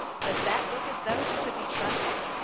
Does that look as though you could be trusted